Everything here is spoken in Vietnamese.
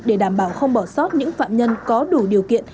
để đảm bảo không bỏ sót những phạm nhân có đủ điều kiện